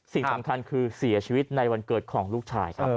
สิ่งสำคัญคือเสียชีวิตในวันเกิดของลูกชายครับ